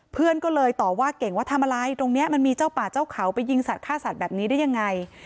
เพื่อนก็เลยต่อว่าเก่งว่าทำอะไรตรงนี้มันมีเจ้าป่าเจ้าเขาไปยิงสัตวฆ่าสัตว์แบบนี้ได้ยังไง